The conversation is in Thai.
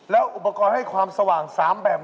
ถูกกว่าแล้วครับ